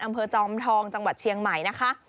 อำเภอเจ้าอมทองจังหวัดเชียงใหม่นะคะ